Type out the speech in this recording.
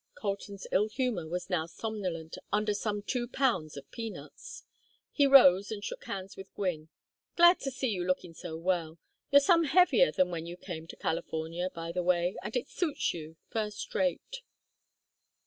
Colton's ill humor was now somnolent under some two pounds of peanuts. He rose and shook hands with Gwynne. "Glad to see you looking so well you're some heavier than when you came to California, by the way, and it suits you first rate.